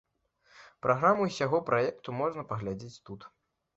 Праграму ўсяго праекту можна паглядзець тут.